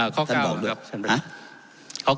ข้อ๙ครับท่านประธาน